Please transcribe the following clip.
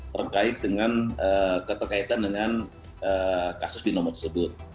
terkait dengan keterkaitan dengan kasus binomo tersebut